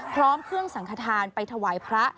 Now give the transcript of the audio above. พร้อมเครื่องสังขทานไปถวายพระ